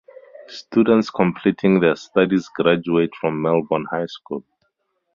Students completing their studies graduate from Melbourne High School.